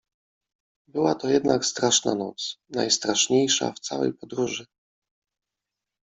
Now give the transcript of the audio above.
Była to jednak straszna noc — najstraszniejsza w całej podróży.